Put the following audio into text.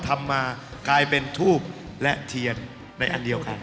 ทำมากลายเป็นทูบและเทียนในอันเดียวกัน